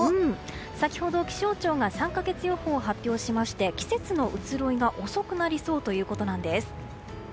先ほど、気象庁が３か月予報を発表しまして、季節の移ろいが遅くなりそうということなんです。